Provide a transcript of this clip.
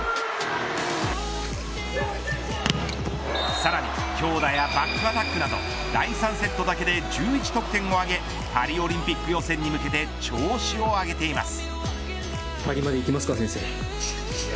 さらに強打やパックアタックなど第３セットだけで１１得点を挙げパリオリンピック予選に向けて調子を上げています。